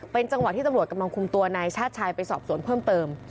เป็นจังหวะที่ตำรวจกำลังคุมตัวนายชาติชายไปสอบสวนเพิ่มเติม